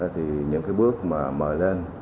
thì những bước mà mời lên